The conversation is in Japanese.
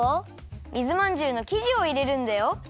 水まんじゅうのきじをいれるんだよ。